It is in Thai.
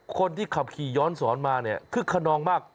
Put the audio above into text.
คนที่ขับขี่ย้อนสอนมาคือขนองมาก